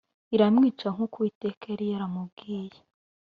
iramwica nk’uko Uwiteka yari yamubwiye